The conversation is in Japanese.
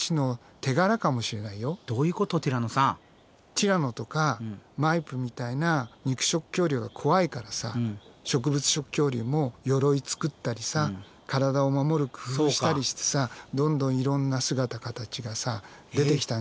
ティラノとかマイプみたいな肉食恐竜が怖いからさ植物食恐竜も鎧作ったりさ体を守る工夫したりしてさどんどんいろんな姿形がさ出てきたんじゃないかな。